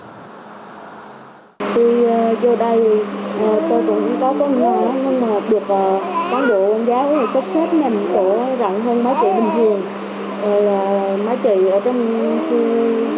khi vô đây tôi cũng có con nhỏ nhưng mà việc cán bộ giáo rất là sắp xếp nhầm tổ rảnh hơn mấy trẻ bình thường